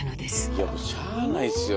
いやもうしゃあないすよ